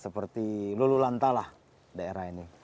seperti lululantalah daerah ini